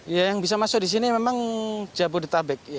ya yang bisa masuk di sini memang jabodetabek